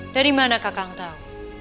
dari mana kakak tahu